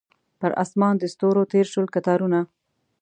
پر اسمان د ستورو تیر شول کتارونه